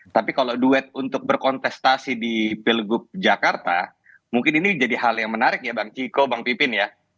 tapi kalau duet untuk berkontestasi di pilgub jakarta mungkin ini jadi hal yang menarik ya bang ciko bang pipin ya